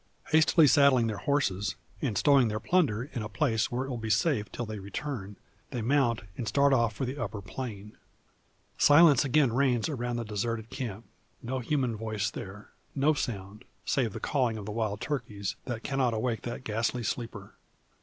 Hastily saddling their horses, and stowing the plunder in a place where it will be safe till their return, they mount, and start off for the upper plain. Silence again reigns around the deserted camp; no human voice there no sound, save the calling of the wild turkeys, that cannot awake that ghastly sleeper.